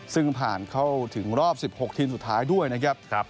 ซึ่งผ่านเข้าถึงรอบ๑๖ทีมสุดท้ายด้วยนะครับ